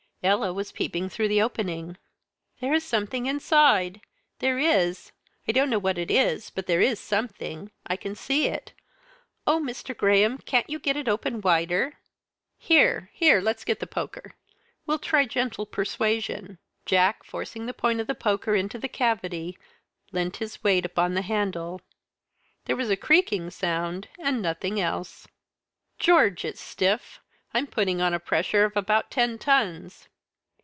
Ella was peeping through the opening. "There is something inside there is, I don't know what it is, but there is something I can see it. Oh, Mr. Graham, can't you get it open wider!" "Here, here! let's get the poker; we'll try gentle persuasion." Jack, forcing the point of the poker into the cavity, leant his weight upon the handle. There was a creaking sound and nothing else. "George! it's stiff! I'm putting on a pressure of about ten tons."